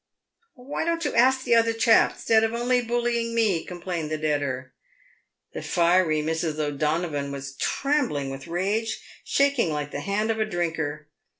" Why don't you ask the other chaps, 'stead of only bullying me ?" complained the debtor. The fiery Mrs. O'Donovan was trembling with rage, shaking like the hand of a drinker.